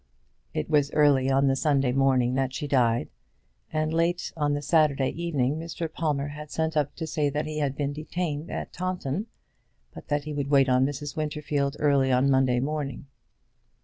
It was early on the Sunday morning that she died, and late on the Saturday evening Mr. Palmer had sent up to say that he had been detained at Taunton, but that he would wait on Mrs. Winterfield early on the Monday morning.